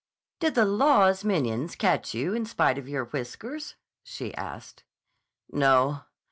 "Did the law's minions catch you in spite of your whiskers?" she asked. "No.